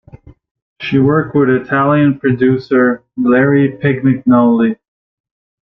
She worked with Italian producer Larry Pignagnoli.